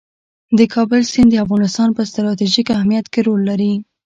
د کابل سیند د افغانستان په ستراتیژیک اهمیت کې رول لري.